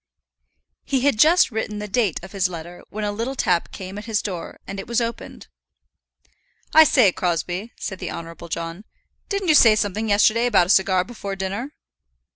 He had just written the date of his letter when a little tap came at his door, and it was opened. "I say, Crosbie," said the Honourable John, "didn't you say something yesterday about a cigar before dinner?"